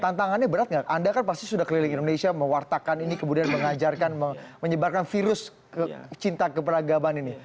tantangannya berat nggak anda kan pasti sudah keliling indonesia mewartakan ini kemudian mengajarkan menyebarkan virus cinta keberagaman ini